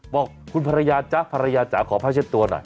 บอกคุณภรรยาจ๊ะภรรยาจ๋าขอผ้าเช็ดตัวหน่อย